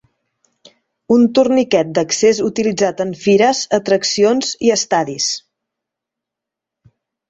Un torniquet d'accés utilitzat en fires, atraccions i estadis.